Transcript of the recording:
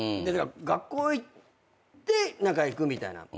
学校行って行くみたいな。